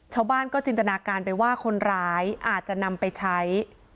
ชาวบ้านก็จินตนาการไปว่าคนร้ายอาจจะนำไปใช้